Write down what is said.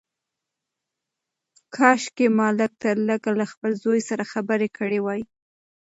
کاشکي ما لږ تر لږه له خپل زوی سره خبرې کړې وای.